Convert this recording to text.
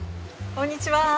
こんにちは。